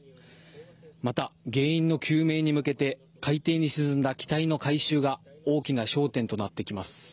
また原因の究明に向けて海底に沈んだ機体の回収が大きな焦点となってきます。